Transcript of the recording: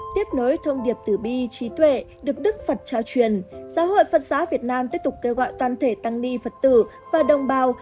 tiếp nối thông điệp tử bi trí tuệ được đức phật trao truyền giáo hội phật giáo việt nam tiếp tục kêu gọi toàn thể tăng ni phật tử và đồng bào